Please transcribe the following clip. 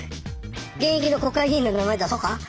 現役の国会議員の名前出そうか？